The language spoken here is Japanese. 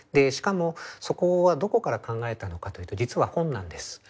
しかもそこはどこから考えたのかというと実は本なんです。